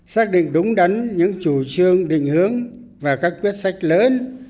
xác định đúng đắn những chủ trương định hướng và các quyết sách lớn